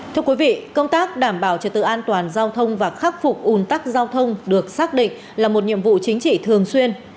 thưa quý vị công tác đảm bảo trật tự an toàn giao thông và khắc phục ùn tắc giao thông được xác định là một nhiệm vụ chính trị thường xuyên